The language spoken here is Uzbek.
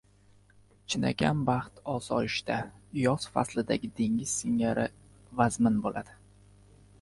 chinakam baxt osoyishta, yoz faslidagi dengiz singari vazmin bo‘ladi.